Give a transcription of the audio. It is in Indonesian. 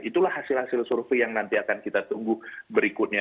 itulah hasil hasil survei yang nanti akan kita tunggu berikutnya